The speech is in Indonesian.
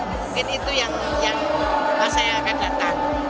mungkin itu yang masa yang akan datang